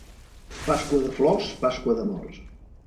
Pasqua de flors, pasqua d'amors.